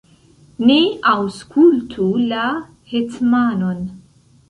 ni aŭskultu la hetmanon!